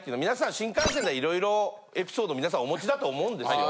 新幹線でいろいろエピソード皆さんお持ちだと思うんですよ。